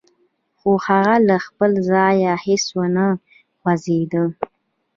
خو هغه له خپل ځايه هېڅ و نه خوځېده.